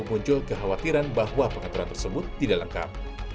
muncul kekhawatiran bahwa pengaturan tersebut tidak lengkap